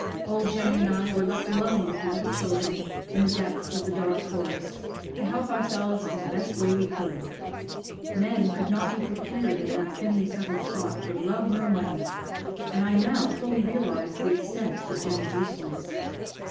Old Jenny and I were left alone with the little children, in the depths of the dark forest, to help ourselves in the best way we could. Men could not be procured in that thinly settled spot for love nor money, and I now fully realised the extent of Jenny's usefulness.